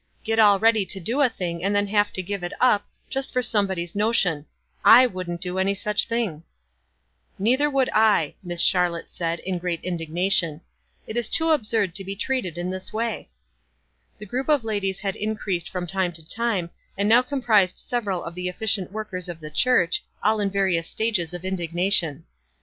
"Get all ready to do a thing, and then have to give it up, just for somebody's no tion, /wouldn't do any such thing." 4 50 WISE A2sD OTHERWISE. * Neither would I," Miss Charlotte said, in great indignation. "It is too absurd to be treated in this way/' The group of ladies had increased from time to time, and now comprised several of the effi cient workers of the church, all in various stages of indignation.